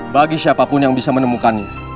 bagi siapapun yang bisa menemukannya